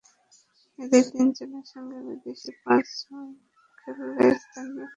এঁদের তিনজনের সঙ্গে বিদেশি পাঁচজন খেললে স্থানীয় খেলোয়াড়েরা সুযোগ হারাবে, এটাই স্বাভাবিক।